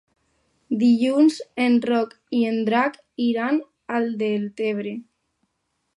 Dilluns en Roc i en Drac iran a Deltebre.